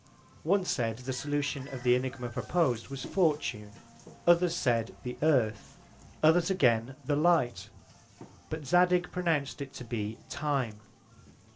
One said, the Solution of the Ænigma propos'd was Fortune; others said the Earth; and others again the Light: But Zadig pronounced it to be Time.